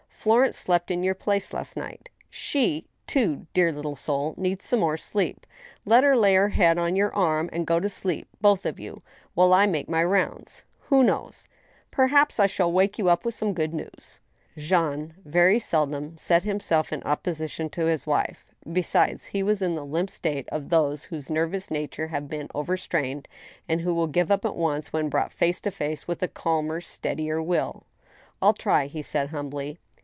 Florence slept in your place last night. She, too, dear little soul, needs some more sleep. 8a THE STEEL HAMMER. Let her lay her head on your arm, and go to sleep, both of you, while I make toy rounds. Who knows ?— perhaps I shall wake you up with some good news !" Jean very seldom set himself in opposition to his wife. Besides, he was in the limp state of those whose nervous natures have, been overstrained, and who give up at once when brought face to face with a calmer, steadier will. " rU try," he said, humbly.